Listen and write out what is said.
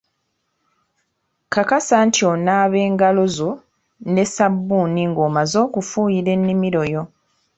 Kakasa nti onaaba engalo zo ne sabbuuni ng'omaze okufuuyira ennimiro yo.